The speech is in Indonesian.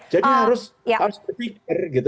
jadi harus berpikir gitu